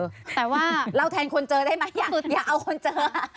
แต่ว่าเราแทนคนเจอได้ไหมอย่าเอาคนเจอ